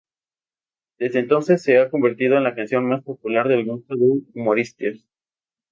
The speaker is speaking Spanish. Desde entonces se ha convertido en la canción más popular del grupo de humoristas.